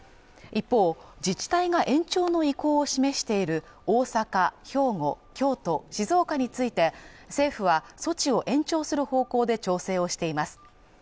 一方自治体が延長の意向を示している大阪兵庫京都静岡について政府は措置を延長する方向で調整をしています